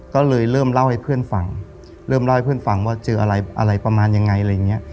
ก็เลยเริ่มเล่าให้เพื่อนฟังเริ่มเล่าให้เพื่อนฟังว่าเจออะไรอะไรประมาณยังไงอะไรอย่างเงี้ย